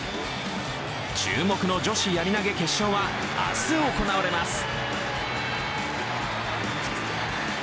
注目の女子やり投決勝は明日行われます。